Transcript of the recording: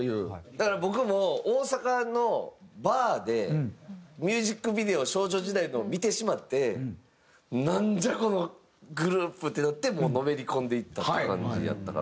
だから僕も大阪のバーでミュージックビデオ少女時代のを見てしまってなんじゃこのグループ！ってなってもうのめり込んでいったって感じやったから。